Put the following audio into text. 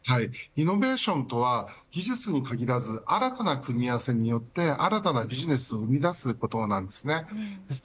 イノベーションとは技術に限らず新たな組み合わせによって新たなビジネスを生み出すことなんです。